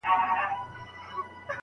کارګه وویل خبره دي منمه